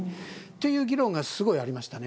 という議論がありましたね